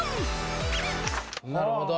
なるほど。